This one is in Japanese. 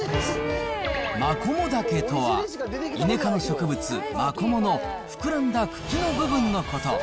マコモダケとは、イネ科の植物、マコモの膨らんだ茎の部分のこと。